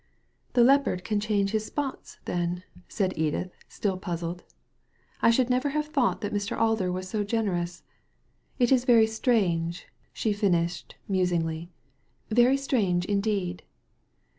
"The leopard can change his spots, then," said Edith, still puzzled. " I should never have thought that Mr. Alder was so generous. It is very strange," she finished musingly — ^•'very strange indeed."